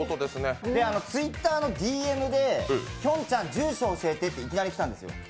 ＴｗｉｔｔｅｒのＤＭできょんちゃん住所教えてっていきなり来たんですよ。